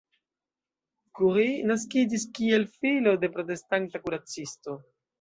Curie naskiĝis kiel filo de protestanta kuracisto.